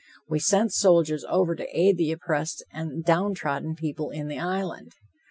We sent soldiers over to aid the oppressed and down trodden people in the Island.